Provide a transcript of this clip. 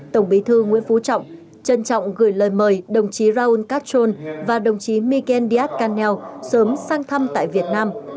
tổng bí thư nguyễn phú trọng trân trọng gửi lời mời đồng chí raul castro và đồng chí nandiyat khanel sớm sang thăm tại việt nam